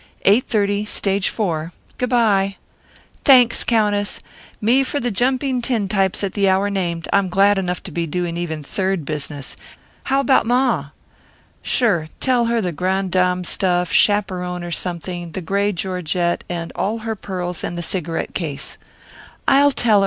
Eight thirty, Stage Four. Goo' by." "Thanks, Countess! Me for the jumping tintypes at the hour named. I'm glad enough to be doing even third business. How about Ma?" "Sure! Tell her grand dame stuff, chaperone or something, the gray georgette and all her pearls and the cigarette case." "I'll tell her.